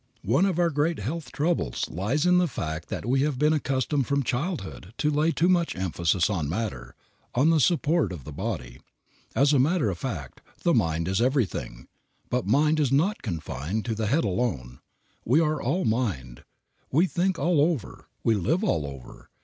One of our great health troubles lies in the fact that we have been accustomed from childhood to lay too much emphasis on matter, on the support of the body. As a matter of fact, the mind is everything. But mind is not confined to the head alone. We are all mind. We think all over. We live all over.